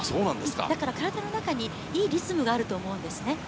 体の中にいいリズムがあると思うんですね。